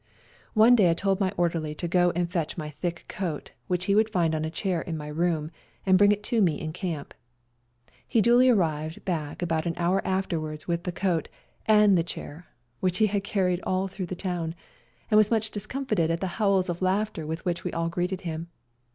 One day I told my orderly to go and fetch my thick coat, which he would find on a chair in my room, and bring it to me in camp. He duly arrived back about an hour afterwards with the coat and the Q2 232 " SLAVA DAY " chair, which he had carried all through the town, and was much discomfited at the howls of laughter with which we all greeted him.